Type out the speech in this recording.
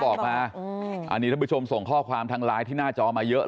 ออกมาอันนี้ท่านผู้ชมส่งข้อความทางไลน์ที่หน้าจอมาเยอะ